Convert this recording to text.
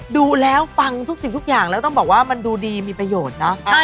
ดูแล้วฟังทุกสิ่งทุกอย่างแล้วต้องบอกว่ามันดูดีมีประโยชน์นะ